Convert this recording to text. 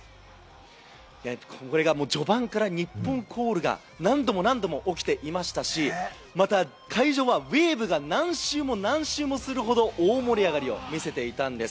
これが序盤から日本コールが何度も何度も起きていましたし、また会場はウェーブが何周も何周もするほど、大盛り上がりを見せていたんです。